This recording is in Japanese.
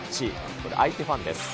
これ相手ファンです。